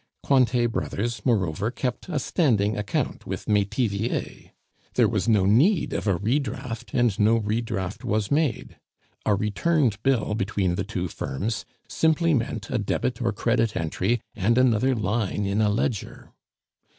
Cointet Brothers, moreover, kept a standing account with Metivier; there was no need of a re draft, and no re draft was made. A returned bill between the two firms simply meant a debit or credit entry and another line in a ledger.